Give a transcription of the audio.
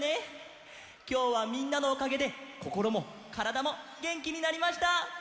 きょうはみんなのおかげでこころもからだもげんきになりました！